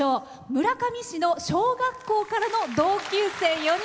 村上市の小学校からの同級生５人。